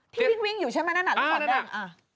อ๋อที่วิ่งอยู่ใช่ไหมนั่นหนักนั่นหนัก